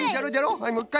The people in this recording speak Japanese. はいもう１かい！